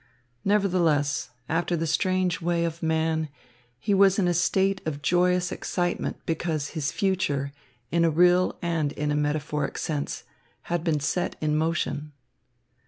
Nevertheless, after the strange way of man, he was in a state of joyous excitement because his future, in a real and in a metaphoric sense, had been set in motion.